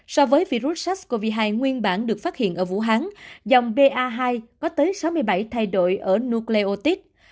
so với virus sars cov hai nguyên bản được phát hiện ở vũ hán dòng ba có tới sáu mươi bảy thay đổi ở nucleotis